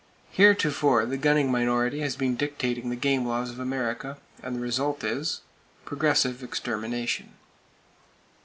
Heretofore the gunning minority has been dictating the game laws of America, and the result is—progressive extermination.